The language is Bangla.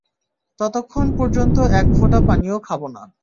ততখন পর্যন্ত, এক ফোঁটা পানিও খাব না।